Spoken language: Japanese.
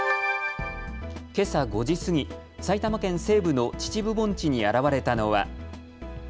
けさ５時過ぎ、埼玉県西部の秩父盆地に現れたのは。